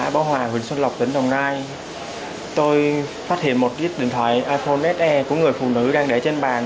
bảo hòa huyện xuân lộc tỉnh đồng nai tôi phát hiện một chiếc điện thoại iphone của người phụ nữ đang để trên bàn